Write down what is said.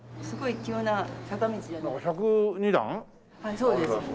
そうですね。